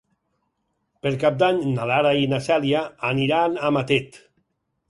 Per Cap d'Any na Lara i na Cèlia aniran a Matet.